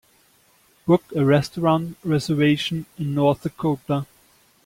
Book a restaurant reservation in North Dakota